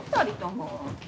２人とも。